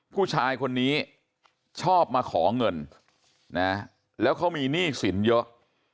ผู้ชายคนนี้ชอบมาขอเงินนะแล้วเขามีหนี้สินเยอะ